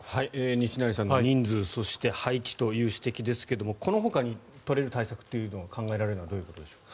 西成さんの人数、そして配置という指摘ですがこのほかに取れる対策というのは考えられるのはどういうことでしょう。